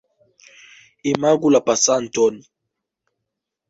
Imagu la pasanton.